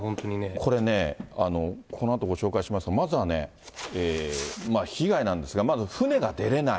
これね、このあとご紹介しますと、まずはね、被害なんですが、まず船が出れない。